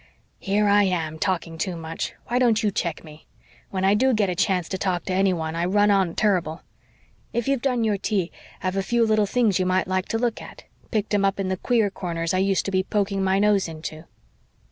Here I am, talking too much. Why don't you check me? When I do get a chance to talk to anyone I run on turrible. If you've done your tea I've a few little things you might like to look at picked 'em up in the queer corners I used to be poking my nose into."